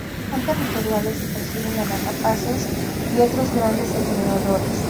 Son territoriales y persiguen a las rapaces y otros grandes depredadores.